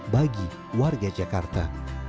bagi warga jakarta